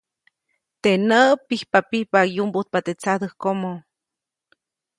Teʼ näʼ pijpapijpa yumbujtpa teʼ tsadäjkomo.